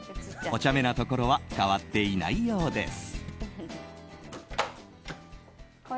お茶目なところは変わっていないようです。